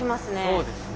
そうですね。